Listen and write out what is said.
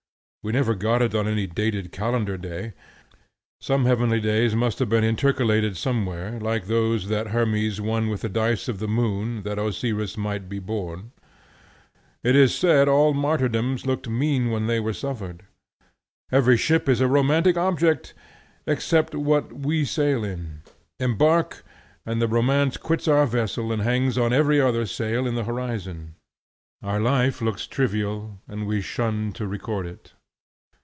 We never got it on any dated calendar day. Some heavenly days must have been intercalated somewhere, like those that Hermes won with dice of the Moon, that Osiris might be born. It is said all martyrdoms looked mean when they were suffered. Every ship is a romantic object, except that we sail in. Embark, and the romance quits our vessel and hangs on every other sail in the horizon. Our life looks trivial, and we shun to record it.